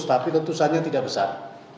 tapi tetusannya tidak besar